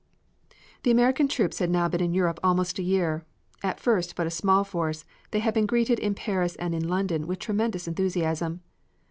The American troops had now been in Europe almost a year. At first but a small force, they had been greeted in Paris and in London with tremendous enthusiasm.